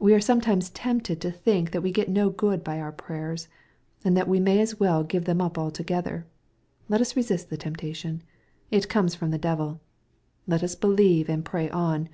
We are sometimes tempted to think that we get no good by our prayers, and that we may as weU. give them up altogether. Let us resist the temptation. It comes from the devil. Let lis believe, and pray on.